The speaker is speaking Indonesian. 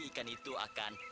ikan itu akan